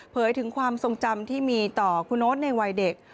ถึงความทรงจำที่มีต่อคุณโน๊ตในวัยเด็ก